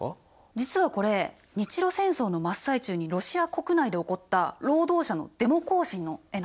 実はこれ日露戦争の真っ最中にロシア国内で起こった労働者のデモ行進の絵なの。